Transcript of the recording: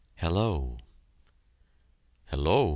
"Hello!" "Hello!"